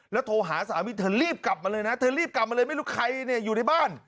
โทรหาสามีเธอรีบกลับมาเลยนะเธอรีบกลับมาเลยไม่รู้ใครเนี่ยอยู่ในบ้าน